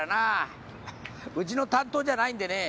うちの担当じゃないんでね。